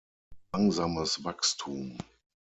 Langsames Wachstum.